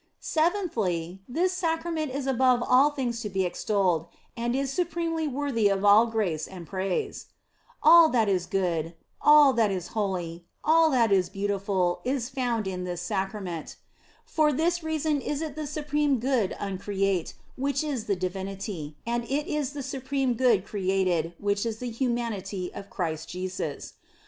Seventhly, this Sacrament is above all things to be ex tolled, and is supremely worthy of all grace and praise. All that is good, all that is holy, all that is beautiful is 154 THE BLESSED ANGELA found in this Sacrament. For this reason is it the Supreme Good uncreate, which is the Divinity, and it is the supreme good created, which is the humanity of Christ Jesus.